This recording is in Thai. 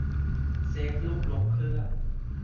เซฟรูปลงเครื่อง